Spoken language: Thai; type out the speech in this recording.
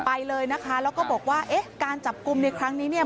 ไปเลยนะคะแล้วก็บอกว่าเอ๊ะการจับกลุ่มในครั้งนี้เนี่ย